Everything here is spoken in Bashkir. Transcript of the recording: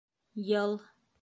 Йыл